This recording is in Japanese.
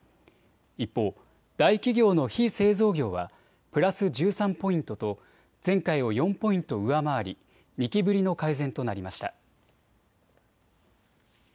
一方、大企業の非製造業はプラス１３ポイントと前回を４ポイント上回り２期ぶりの改善となりました。